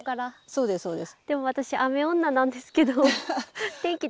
そうですそうです。